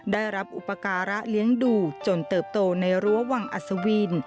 ได้รับอุปการะเลี้ยงดูจนเติบโตในรั้ววังอัศวิน